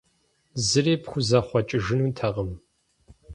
Зыри пхузэхъуэкӀыжынутэкъым.